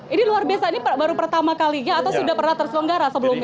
ini luar biasa ini baru pertama kalinya atau sudah pernah terselenggara sebelumnya